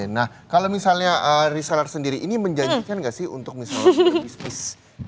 nah kalau misalnya reseller sendiri ini menjanjikan nggak sih untuk misalnya bisnis